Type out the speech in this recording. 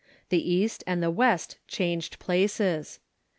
The East and the AVest changed places.